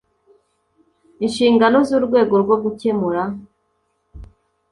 Inshingano z urwego rwo gukemura